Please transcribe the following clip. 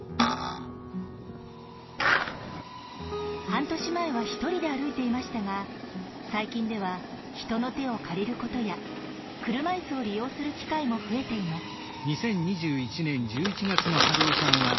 半年前は一人で歩いていましたが最近では人の手を借りることや車いすを利用する機会も増えています。